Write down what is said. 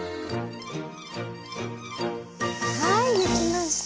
はいできました！